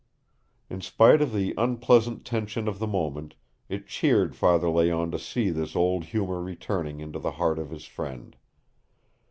In spite of the unpleasant tension of the moment, it cheered Father Layonne to see this old humor returning into the heart of his friend.